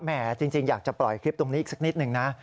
จริงอยากจะปล่อยคลิปตรงนี้อีกสักนิดนึงนะ